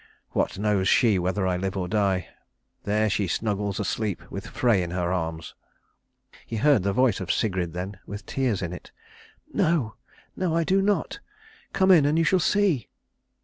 "What knows she whether I live or die? There she snuggles asleep, with Frey in her arms." He heard the voice of Sigrid then, with tears in it. "No, no, I do not. Come in and you shall see."